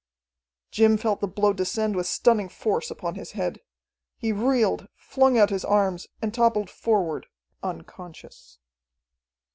Jim felt the blow descend with stunning force upon his head. He reeled, flung out his arms, and toppled forward, unconscious....